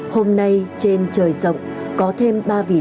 hôm nay trên trời rộng có thêm ba vị